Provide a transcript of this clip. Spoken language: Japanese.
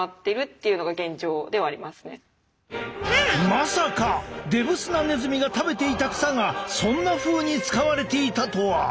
まさかデブスナネズミが食べていた草がそんなふうに使われていたとは。